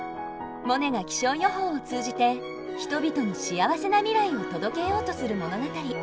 モネが気象予報を通じて人々に幸せな未来を届けようとする物語。